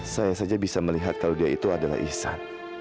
saya saja bisa melihat kalau dia itu adalah ihsan